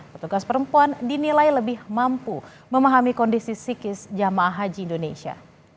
petugas perempuan dinilai lebih mampu memahami kondisi psikis jamaah haji indonesia